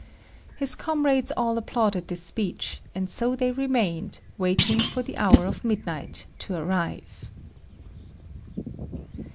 His comrades all applauded this speech, and so they remained, waiting for the hour of midnight to arrive.